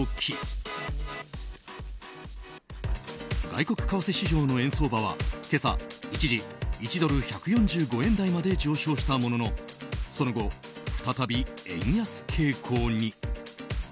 外国為替市場の円相場は今朝一時１ドル＝１４５円台まで上昇したもののその後、再び円安傾向に。